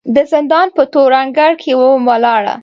د زندان په تور انګړ کې وم ولاړه